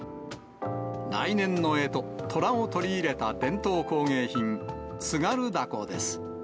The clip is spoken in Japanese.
来年のえと、とらを取り入れた伝統工芸品、津軽だこです。